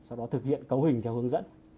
sau đó thực hiện cấu hình theo hướng dẫn